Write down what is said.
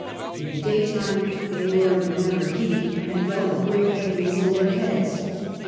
In the day time they were in a manner giddy, and felt a great heavi ness in their heads.